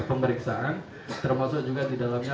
pemeriksaan termasuk juga di dalamnya